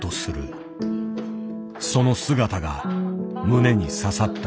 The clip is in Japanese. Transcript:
その姿が胸に刺さった。